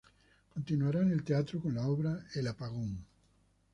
Continuará en el teatro con la obra "El apagón".